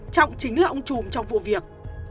trọng chính là ông trùm trong vụ việc